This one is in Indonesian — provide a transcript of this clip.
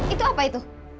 itu apa itu